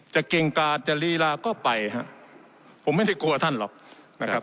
เก่งกาดจะลีลาก็ไปฮะผมไม่ได้กลัวท่านหรอกนะครับ